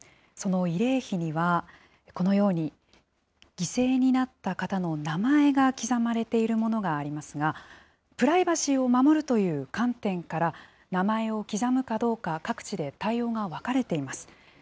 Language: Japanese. その慰霊碑には、このように、犠牲になった方の名前が刻まれているものがありますが、プライバシーを守るという観点から、名前を刻むかどうか、各地で対応が分かれています。